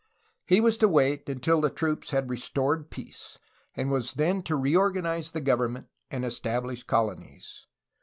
He was to wait until the troops had restored peace, and was then to reorganize the government and establish colonies.